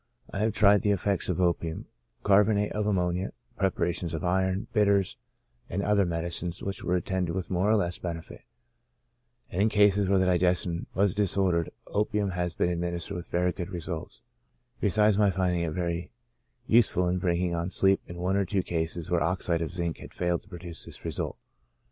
I have tried the effects of opium, carbonate of ammonia, preparations of iron, bitters, and other medicines, which were attended with more or less benefit j and in cases where the digestion was disordered, opium has been administered with very good results, besides my finding it very useful in bringing on sleep in one or two cases where oxide of zinc had failed to produce this result.